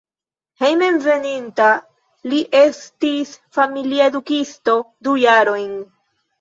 Hejmenveninta li estis familia edukisto du jarojn.